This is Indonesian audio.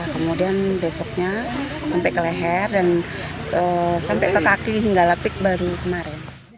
kemudian besoknya sampai ke leher dan sampai ke kaki hingga lapik baru kemarin